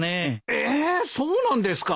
ええそうなんですか？